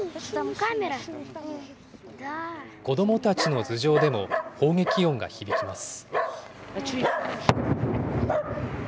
子どもたちの頭上でも砲撃音が響きます。